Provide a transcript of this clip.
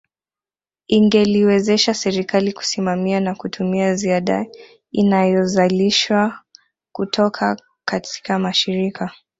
Ingeliwezesha serikali kusimamia na kutumia ziada inayozalishwa kutoka katika mashirika